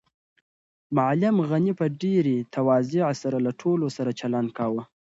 معلم غني په ډېرې تواضع سره له ټولو سره چلند کاوه.